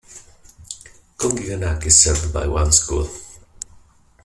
Kongiganak is served by one school.